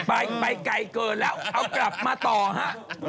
ไปไกลเกินแล้วเอากลับมาต่อฮะ